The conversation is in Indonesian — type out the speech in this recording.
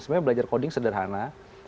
sebenarnya belajar coding sederhana